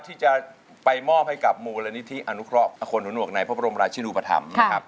ที่จะไปมอบให้กับมูลนิธิอนุเคราะห์อาควรหนุนวกในพบรมราชินูปธรรมนะครับ